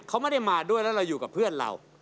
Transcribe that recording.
เขาไม่ได้มาด้วยแล้วเราอยู่กับเพื่อนเรา